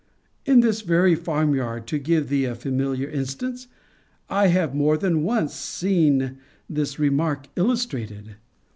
In this very farm yard, to give thee a familiar instance, I have more than once seen this remark illustrated.